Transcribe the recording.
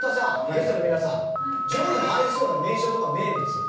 ゲストの皆さん上位に入りそうな名所とか名物。